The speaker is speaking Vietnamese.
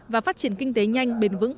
và phát triển kinh tế nhanh bền vững